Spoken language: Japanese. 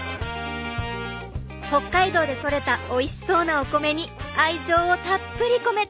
北海道でとれたおいしそうなお米に愛情をたっぷり込めて。